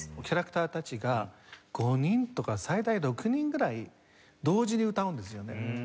キャラクターたちが５人とか最大６人ぐらい同時に歌うんですよね